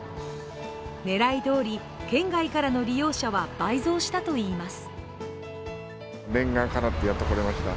狙いどおり県外からの利用者は倍増したといいます。